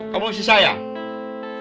kamu masih sayang